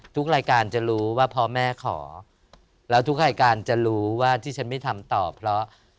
ทุกรายการจะรู้ว่าพ่อแม่ขอแล้วทุกรายการจะรู้ว่าที่ฉันไม่ทำต่อเพราะ